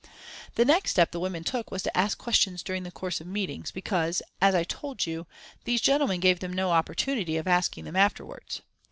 The next step the women took was to ask questions during the course of meetings, because, as I told you, these gentlemen gave them no opportunity of asking them afterwards.